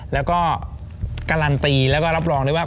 แล้วก็การันตีแล้วก็รับรองได้ว่า